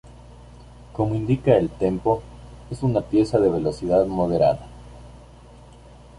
Como indica el "tempo", es una pieza de velocidad moderada.